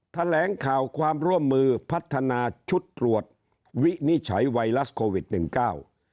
แถลงข่าวความร่วมมือพัฒนาชุดตรวจวินิจฉัยไวรัสโควิดหนึ่งเก้า